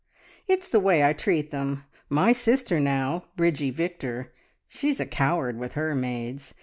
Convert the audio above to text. "It's the way I treat them. My sister, now Bridgie Victor she's a coward with her maids.